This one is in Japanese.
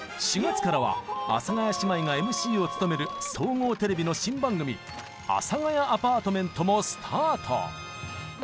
４月からは阿佐ヶ谷姉妹がＭＣを務める総合テレビの新番組「阿佐ヶ谷アパートメント」もスタート！